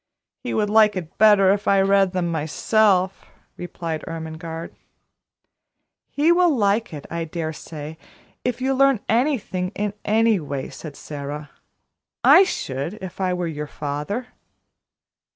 "He would like it better if I read them myself," replied Ermengarde. "He will like it, I dare say, if you learn anything in any way," said Sara. "I should, if I were your father."